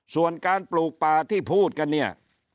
ส่วนการปลูกป่าที่พูดกันเนี่ย